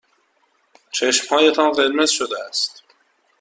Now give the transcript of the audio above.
چشمهایتان قرمز شده است.